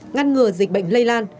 ngăn ngừa dịch bệnh lây lan